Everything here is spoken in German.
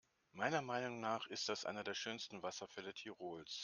Meiner Meinung nach ist das einer der schönsten Wasserfälle Tirols.